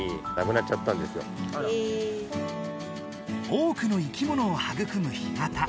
多くの生き物をはぐくむ干潟。